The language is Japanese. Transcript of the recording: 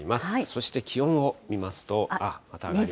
そして気温を見ますと。